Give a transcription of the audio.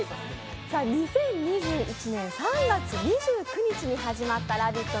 ２０２１年３月２９日に始まった「ラヴィット！」